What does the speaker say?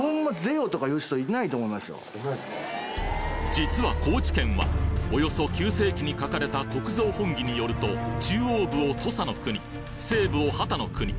実は高知県はおよそ９世紀に書かれた『国造本紀』によると中央部を「都佐国」西部を「波多国」